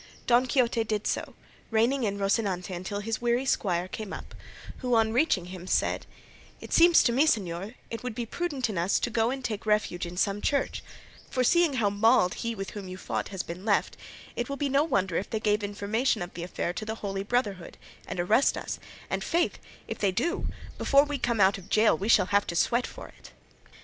Don Quixote did so, reining in Rocinante until his weary squire came up, who on reaching him said, "It seems to me, señor, it would be prudent in us to go and take refuge in some church, for, seeing how mauled he with whom you fought has been left, it will be no wonder if they give information of the affair to the Holy Brotherhood and arrest us, and, faith, if they do, before we come out of gaol we shall have to sweat for it."